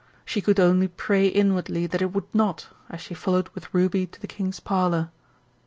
She could only pray inwardly that it would not, as she followed with Ruby to the King's Parlour.